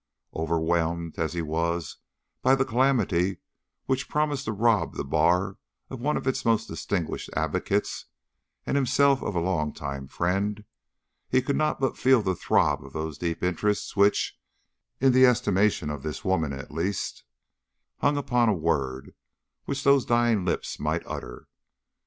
Overwhelmed, as he was, by the calamity which promised to rob the Bar of one of its most distinguished advocates, and himself of a long tried friend, he could not but feel the throb of those deep interests which, in the estimation of this woman at least, hung upon a word which those dying lips might utter.